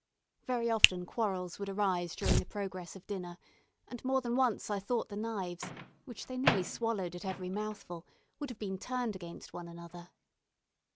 Very often quarrels would arise during the progress of dinner; and more than once I thought the knives, which they nearly swallowed at every mouthful, would have been turned against one another.